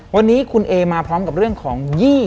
วันนี้คุณเอมาพร้อมกับเรื่องของ๒๐